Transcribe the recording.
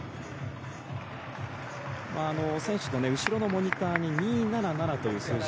選手の後ろのモニターに２７７という数字。